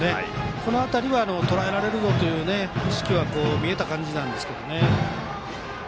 この辺りはとらえられるぞという意識は見えた感じなんですけどね。